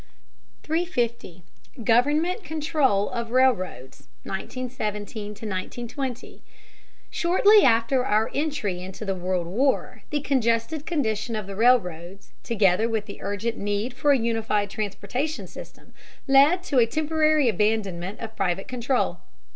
350. GOVERNMENT CONTROL OF RAILROADS, 1917 1920. Shortly after our entry into the World War, the congested condition of the railroads, together with the urgent need for a unified transportation system, led to a temporary abandonment of private control.